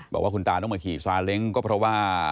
บอกว่าคุณตาต้องมาขี่ซาเล้งก็เพราะว่า